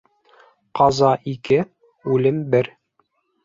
Ҡаза ике, үлем бер.